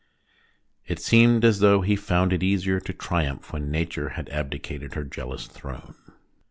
It seemed as though he found it easier to triumph when Nature had abdicated her jealous throne.